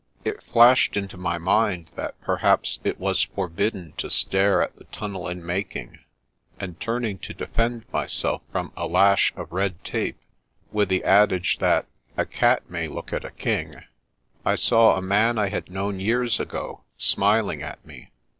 It flashed into my mind that perhaps it was forbid den to stare at the tunnel in making; and turning to defend myself from a lash of red tape, with the adage that " a cat may look at a king," I saw a man I had known years ago smiling at me.